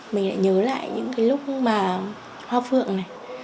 mình lại nhớ lại những cái lúc mà hoa phượng này